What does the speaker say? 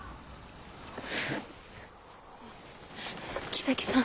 木崎さん。